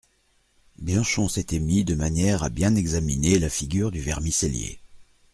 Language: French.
Bianchon s'était mis de manière à bien examiner la figure du vermicellier.